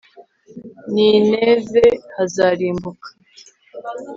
nineve hazarimbuka